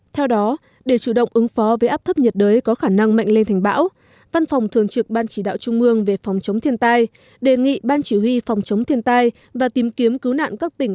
theo đó để chủ động ứng phó với áp thấp nhiệt đới có khả năng mạnh lên thành bão văn phòng thường trực ban chỉ đạo trung mương về phòng chống thiên tai đề nghị ban chỉ huy phòng chống thiên tai và tìm kiếm cứu nạn các tỉnh